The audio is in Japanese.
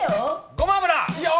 ごま油。